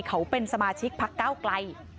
เขาเป็นสมาชิกพักเก้าไกล